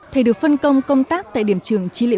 thầy được phân công công tác tại điểm trường chín trăm linh bốn